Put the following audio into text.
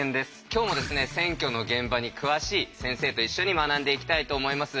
今日もですね選挙の現場に詳しい先生と一緒に学んでいきたいと思います。